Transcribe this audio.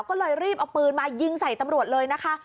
ก็เลยรีบเอาปืนมายิงใส่ตำรวจเลยนะคะ